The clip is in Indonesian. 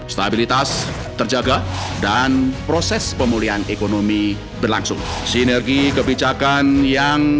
stabilitas terjaga dan proses pemulihan ekonomi berlangsung sinergi kebijakan yang